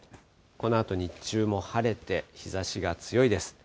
このあと日中も晴れて、日ざしが強いです。